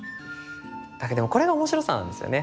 だけどこれが面白さなんですよね。